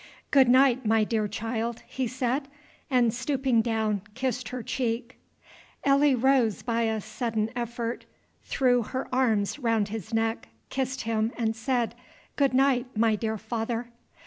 "Good night, my dear child," he said, and stooping down, kissed her cheek. Elsie rose by a sudden effort, threw her arms round his neck, kissed him, and said, "Good night, my dear father!"